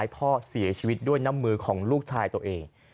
พ่อเสียชีวิตด้วยน้ำมือของลูกชายตัวเอง